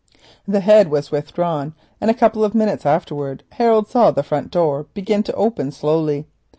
The head was withdrawn and a couple of minutes afterwards Harold saw the front door begin to open slowly.